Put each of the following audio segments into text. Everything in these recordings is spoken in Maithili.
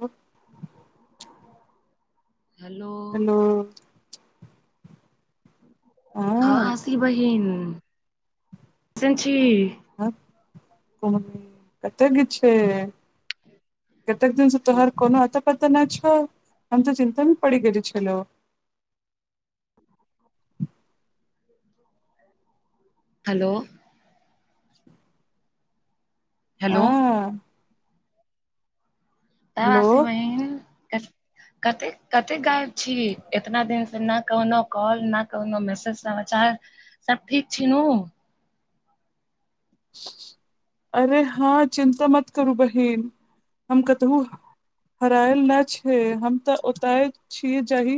व हेलो हँ असी बहिन केसन छी कतेक कि छै कतेक दिन से हेलो तोहर कोनो अता पात नहि छ हम तऽ चिन्तामे पड़ि गेल छल हेलो हेलो हँ [unintelligible] हेलो तशी बहिन कते कते गायब छी इतना दिन नहि कोनो कॉल न कोनो मैसेज नचार सब ठीक छै न अरे हँ चिन्ता मत करू बहिन हम कतहु हेरायल नहि छै हम तऽ ओतय छीयै जहि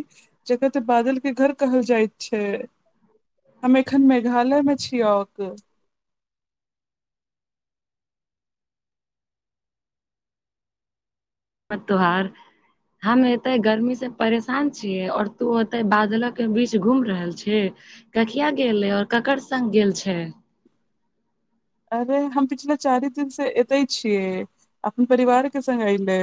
जकर तऽ बादल के घर कहल जाय छै हम एखन मेघालय मे छी औक तोहार हम ऐते गर्मी से परेशान छीयै और तू ओते बादल के बीच घूम रहल छी कहिया गेले और ककर सग गेल छै अरे हम पिछला चारि दिन से एते छियै अपन परिवार के स्ग अयले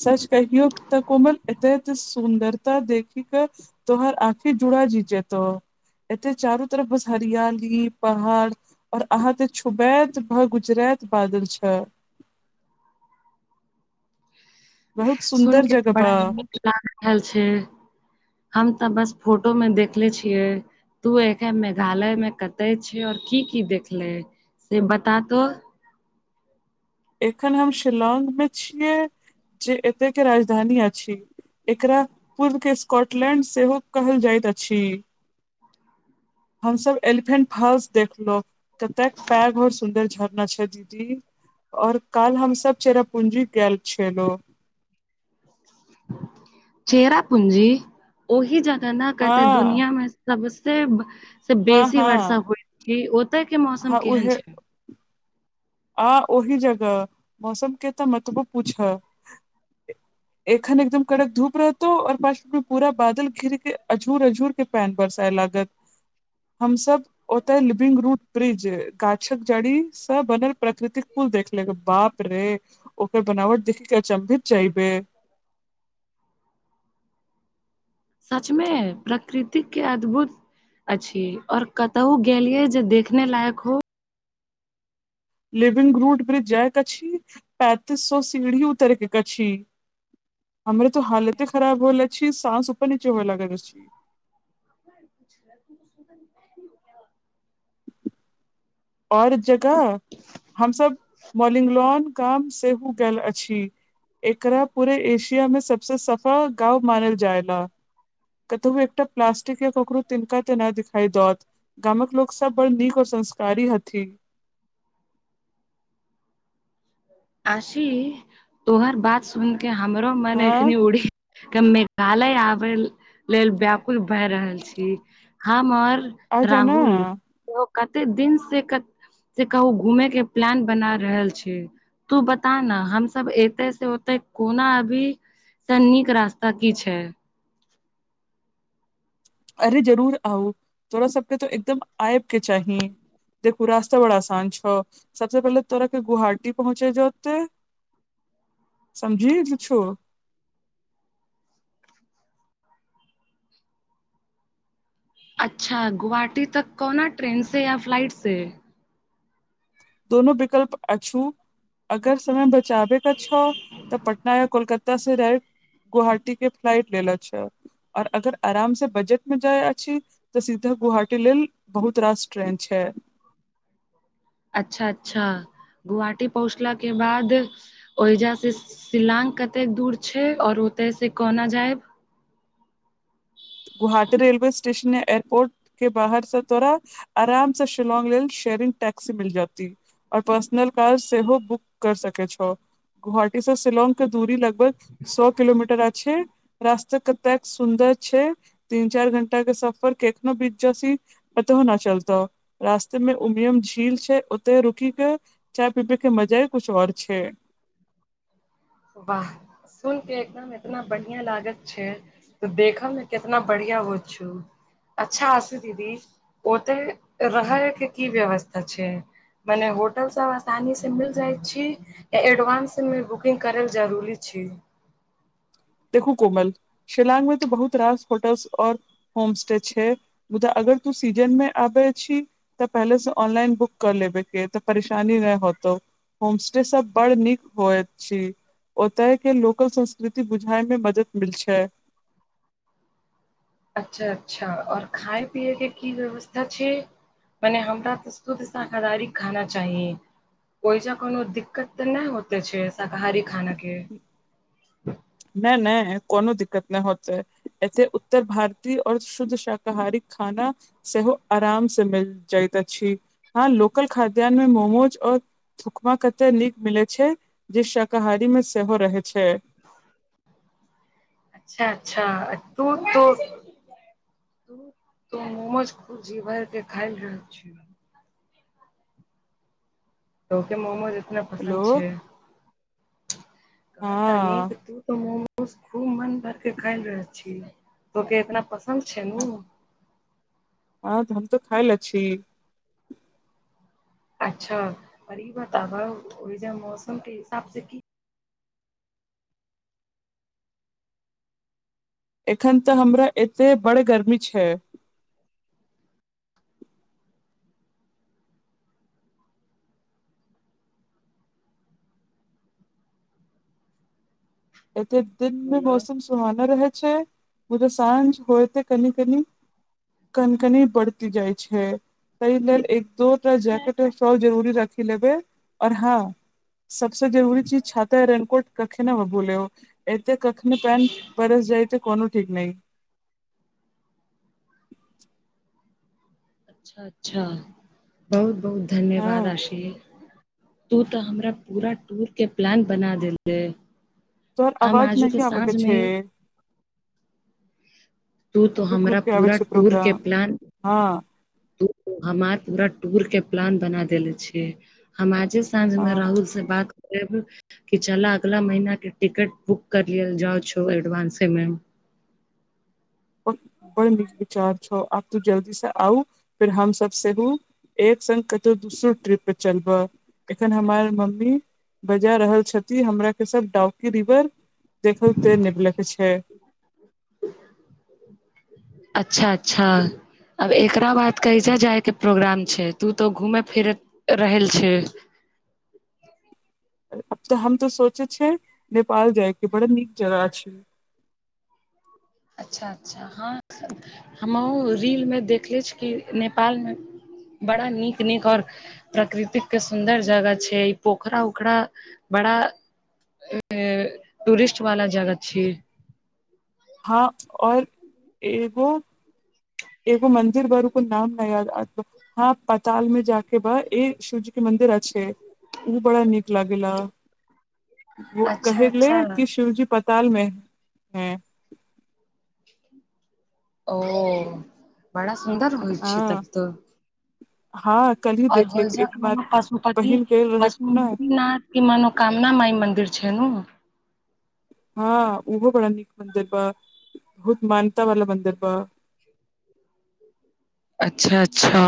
सच कहियौ तऽ कोमल एतेक सुन्दरता देखी कऽ तोहर आखि जुड़ा जी जेतो एते चारो तरफ बस हरियाली पहाड़ और अहाँ छुबैत भऽ गुजरैत बादल छ बहुत सुन सुन्दर के तऽ जगह बा बड़ा नीक लाग रहल छै हम तऽ बस फोटो मे देखले छियै तू एखन मेघालय मे कते छै और की की देखले से बतातो एखन हम शिलांग मे छियै जे एते के राजधानी अछि एकरा पूर्वके स्कॉटलैण्ड सेहो कहल जाइत अछि हम सब एलिफेंट फल्स देखलो कतेक पैघ आओर सुंन्दर झरना छै दीदी और कल्हि हम सब चेरा पुंजी गेल छीये चेरा पूंजी ओहि जगह न कहते हँ दुनिया सबसे से हँ बेसी वर्षा हँ होइ छै ओते के मौसम हँ केहन उहे छै आ ओहि जगह मौसम के तऽ मतबो पूछ एखन एकदम कड़क धूप रहतो और पशमे पूरा बादल घिर के अजूर पैंन परसाइ लाग हम सब ओते लिविंग रूट ब्रिज गाछक जड़ी [unintelligible] से बनल प्रकृतिक कुल देखलेके बाप रे ओकर बनावट देखिक के अचंभित आइबेर सचमे प्रकृतिक के अद्भुत अछि और कतहु गेलिये जे देखने लायक हो लिविंग रूड ब्रिज जाइत क पैंतीस सए सीढ़ी उतरके हमरे तऽ हालत खराब होले अछि सास उपर नचे हो लगैत अछि पुछ त सु [unintelligible] आओर जगह हमसब मॉलिंगलॉन गाम सेहो गेल अछि एकरा पूरे एशिया मे सबसे सफल गांव मानल जायला कतौ एकटा प्लास्टिक या ककरो तिनका ते नहि दिखाई द गामक लोग सब बड़ नीक और संस्कारी संसकारी हथी आशी तोहर बात सुन के हमरो मन हँ एखनी के मेघालय आबे लेल व्याकुल भए रहल छी हम आओर आ जा ने राहुल कतेक दिन से कते से कहू घूमे के प्लान बना रहल छी तू बता न हम सब एते से कोना अभी नीक रास्ता की छै अरे जरूर आउ तोरा सबके तो एकदम आयब के चाही देखु राास्त बड़ा आसान छै सबसँ पहिले तोरा के गुहाटी पहुँचे जते समझी कुछो अच्छा गोवाहाटी तक कौना ट्रेन से या फ्लाइट से दोनो विकल्प अछू अगर समय बचाबे क छौ तऽ पटना या कोलकाता से राइट गुहाटी के फ्लाइट लेलो छै और अगर आराम से बजट मे जाय अछि तऽ सीधा गुहाटी लेल बहुत रास ट्रेन छै अच्छा अच्छा गुवहाटी पहुँचला के बाद ओहिजा से शिलांग कते दूर छै और ओते से कोना जायब गुहाटी रेलवे स्टेशन एयरपोर्ट के बाहर से तोरा आराम से शिलौंग लेल शेयरिंग टैसी मिल जाती और पर्सनल कार सेहो बुक कर सकै छौ गुहाटी से शिलोंग के दूरी लगभग सए किलोमीटर अछि रास्ता कतेक सुन्दर छै तीन चारि घंटा के सफर कखनो बीच जसी पतो न चलता रास्ते में उमियम झील छै ओते रुकी के चाय पीबै के मजा ह कुछ आओर छै वाह सुन के एकदम एतना बढ़िया लागत छै तऽ देखब ने कितना बढ़िया होछू अच्छा हसू दीदी ओते रहै के की व्यवस्था छै मने होटल सब आसानी से मिल जाय छी या एडवानंस मे बुकिंग करैल जरूरी छै देखू कोमल शिलांग में त बहुत रास होटल्स औ होम एस्टे छै ब अगर तू सीजन मे आबै छी तऽ पहिले से ऑनलाइन बुक कर लेबे कय तऽ परेशानी नहि होतौ होम एस्टे सब बड़ नीक होइत छी ओतय के लोकल संस्कृति बुझय मे मदद मिल छै अच्छा अच्छा आऔर खाय पियए के की व्यवस्था छै मने हमरा तऽ शुद्द शकाहारी खाना चाहि ओहिजा कोनो दिक्कत तऽ नहि होते छै शाकाहारी खाना के नहि नहि कोनो दिक्कत नहि होतै एते ओतय भारतीय और शुद्ध शाकाहारी खाना सेहो आराम से मिल जाइत अछि हँ लोकल खाद्यानमे मोमोज आओर थुकमा कते नीक मिलैत छै जे शाकाहारी मे सेहो रहै छै अच्छा अच्छा तू तो तो मोमोज खुब जी भर के खायल रहल छै लोग के मोमोज इतना पसन्द हेलो छै कहा [unintelligible] हँ न तू तऽ म बस खूब मन भर के खल रहे छीय तो के इतना पसन्द छै ने उ हँ हम तऽ खाय ल छी अच्छा पर ई बताबऽ ओहिजह मौसम के हिसाब से की एखन तऽ हमरा एतय बड़ गर्मी छै एते दिन मे बोलऽ मौसम सुहाना रहै छै मुझा साँझ होते कनि कनी कन कनी बढ़ैत जाइ छै ताहि लेल एक दो जैकेटर फ्रॉ जरूरी रखि लेबै आऔर हँ सबसे जरूरी चीज छाता य रेननकोट कखनो ने भूलौ एकत कखनी पायन परस जाइत छै कोनो ठीक नहि अच्छा अच्छा बहुत बहुत धन्यवाद हँ आशीष तू तऽ हमरा पूरा टूर के प्लान बना देले तोहर हम अवाज आजू के नह आबे साँझ कऽ छै में तू तऽ रुक रुक हमरा के आबे पूरा छै टूर के प्रोग्राम प्लान हँ हमार पूरा टूर के प्लान बना देले छिय हम आजे सऽ साँझमे हँ राहुल से बात कि चलय अगला महिीना के टिकट बुक कर लिय जा छै एडवानंसे मे बड़ नीक विचार छ आब तू जल्दी से आउ फेर हम सब सेहू एक संग कतहु दूसरो ट्रिप पर चलबह एखन हमर मम्मी बजा रहल छथि हमरा के सब डउकी रिवर देखलते निभलक छै अच्छा अच्छा आब एकरा बाद कैजाय जाय के प्रोग्राम छै तू तऽ घूमे फिरे रहल छै अब तऽ हम तो सोचे छियै नेपाल जायके बड़ा नीक जगह छै अच्छा अच्छा हँ हमहुँ रीलमे देखले छी कि नेपालमे बड़ा नीक नीक आऔर प्रकृतिक के सुन्दर जगह छै ई पोखरा उखरा बड़ा टूरिस्ट वाला जगह छिये हँ और एगो एगो मंदिर भरू कऽ नाम नऽ याद आतो हँ पताल में जाक ब ए शिवजी के मन्दिर अच्छे ओ बड़ा नीक लागेेला वो अच्छा कहहि ले अच्छा कि शिवजी पताल मे हैं ओ बड़ा सुन्दर होइ छै हँ तब तऽ हँ कल्हि ओर देखले होइज एक हमार पशुपति बहिन गेल रहे ने पशुपति नाथ की मनोोकामना माइ मन्दिर छै नऽ हँ ओहो बड़ा नीक मन्दिर बा बहुत मानता वाला मंदिर बा अच्छा अच्छा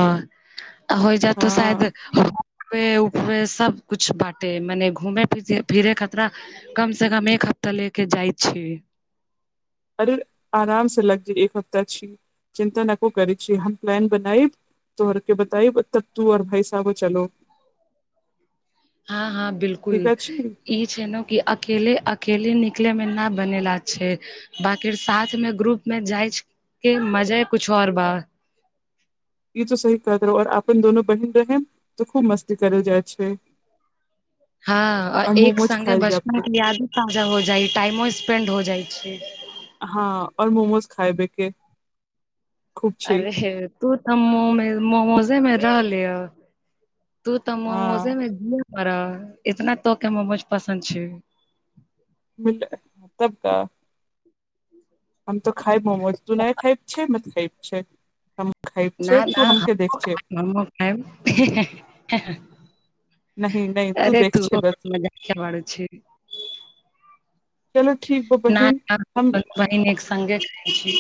आ होइ जयतऽ हँ शायद ऊपरे ऊपरे सब कुछ बाँटे माने घूमे फिर फिरे खतरा कम से कम एक हफ्ता लेगे जाइ छै अरे आराम से लग जे एक हफ्ता छी चिन्ता नऽ को करै छी हम प्लान बनायब तो अरके बताई तब तू और भाइ साहबो चलो हँ हँ बिल्कूल ठीक अछि इ छै नऽ की अकेले अकेले निकले में न बनेेलय छै बाकि साथ मे ग्रुप मे जाइ छै के मजा कुछु आऔर बा ई तो सही कह देरहौ और अपन दोनो बहिन रहब तऽ खूब मस्ती करल जाइ छै हँ और एक मोमोज संगे खायल बचपन जायब के यादो ताजा हो जाइ टाइमो स्पेंड हो जाइ छै हँ और मोमोज खाएबके अरेे तू तऽ मोमोजे मऽ रह ली हऽ तू तऽ हँ मोमोजे मे द [unintelligible] इतना तो के मोमोज पसन्द छै मिलले सबटा [inaudible] हम तऽ खायब मोमोज तु नहि खायब छै मत खायब छै खायब न छै न तू हमके देख छै हमहू खायब नहि नहि तू अरे देख छै तूहो बस कखनो मजाकिया बारू छि चलो ठीक हो बहिन हम बहिन एक संगे रहे छी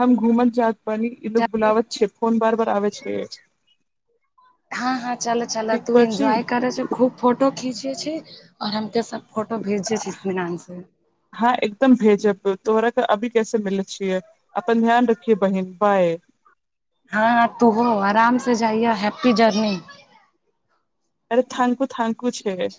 हम घुमल जात बनी इलोग बुलावत छै फोन बार बार आबे छै हँ हँ चल चल ठीक तू बात छै एन्जॉय करै छ खूब फोटो खींचिये छी और हम के सब फोटो भेजिये छी इत्मिनान से हँ एकदम भेजब तोहरा अभी कैसे मिलै छियै अपनन ध्यान रखिए बहिन बाय हँ तू हो आराम से जाइए हैप्पी जर्नी अरे थांकू थांकू छै